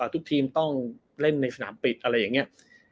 ทุกทีมต้องเล่นในสนามปิดอะไรอย่างนี้